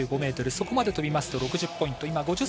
そこまで飛びますと６０ポイント。